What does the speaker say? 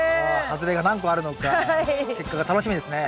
外れが何個あるのか結果が楽しみですね。